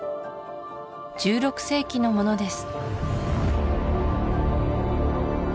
１６世紀のものです